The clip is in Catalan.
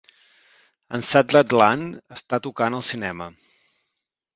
Unsettled Land està tocant al cinema